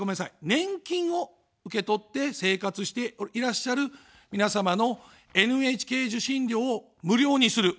年金を受け取って生活をしていらっしゃる皆様のＮＨＫ受信料を無料にする。